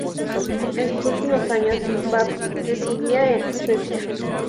En sus últimos años Babs residía en Suecia.